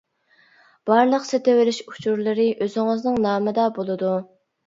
بارلىق سېتىۋېلىش ئۇچۇرلىرى ئۆزىڭىزنىڭ نامىدا بولىدۇ.